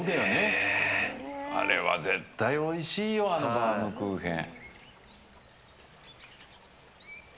あれは絶対おいしいよあのバウムクーヘン。